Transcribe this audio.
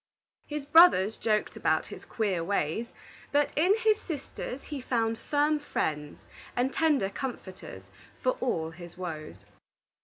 His brothers joked about his queer ways, but in his sisters he found firm friends and tender comforters for all his woes.